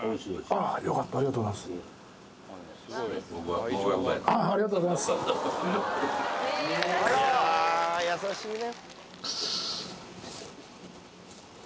ああ優しいね。